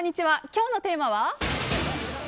今日のテーマは？